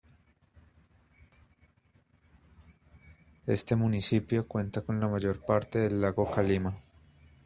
Este municipio cuenta con la mayor parte del Lago Calima.